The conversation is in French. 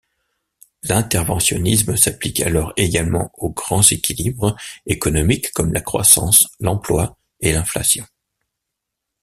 L'interventionnisme s'applique alors également aux grands équilibres économiques comme la croissance, l'emploi et l'inflation.